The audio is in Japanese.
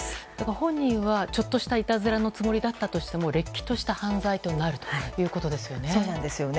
本人はちょっとしたいたずらのつもりだったとしてもれっきとした犯罪となるということですよね。